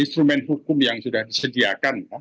instrumen hukum yang sudah disediakan